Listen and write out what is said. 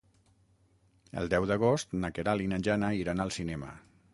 El deu d'agost na Queralt i na Jana iran al cinema.